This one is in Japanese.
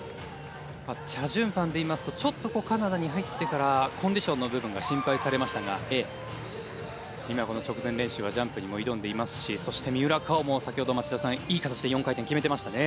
チャ・ジュンファンで言いますと、カナダに入ってからコンディションの部分が心配されましたが今、直前練習はジャンプにも挑んでいましたし三浦もいい形でジャンプを決めていましたね。